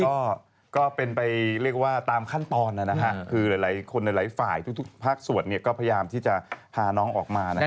ให้ไปเข้าถ้ำหรอจะใช้ไปเข้าป่าหรือเข้าถ้ำ